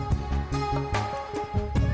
si diego udah mandi